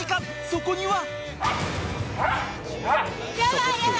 そこには。